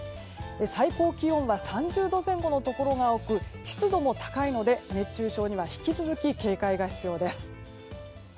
最高気温は３０度前後のところが多く湿度も高いので、熱中症には引き続き警戒が必要です。